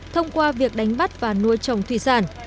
thông qua việc đánh bắt và nuôi trồng thủy sản